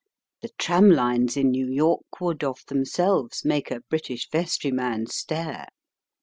The tram lines in New York would of themselves make a British vestryman stare.